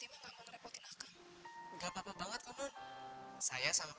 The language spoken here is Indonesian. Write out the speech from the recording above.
ini rumah apa kadang ayam